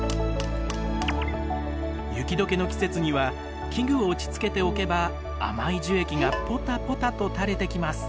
雪解けの季節には器具を打ちつけておけば甘い樹液がポタポタとたれてきます。